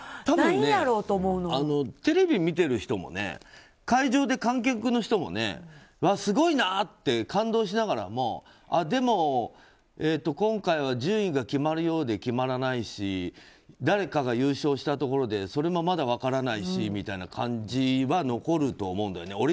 多分、テレビ見ている人も会場で観客の人もうわ、すごいな！って感動しながらもでも今回は順位が決まるようで決まらないし誰かが優勝したところでそれもまだ分からないしみたいな感じは残ると思うんだよね。